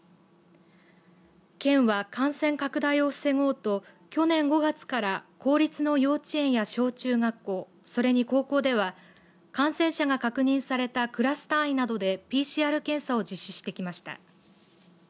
県は、感染拡大を防ごうと去年５月から公立の幼稚園や小中学校それに高校では感染者が確認されたクラス単位などでＰＣＲ検査を実施してきました。